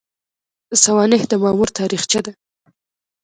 سوانح د مامور تاریخچه ده